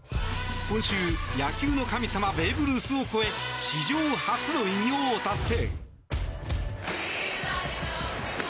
今週、野球の神様ベーブ・ルースを超え史上初の偉業を達成。